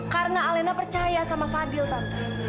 karena alena percaya sama fadil tante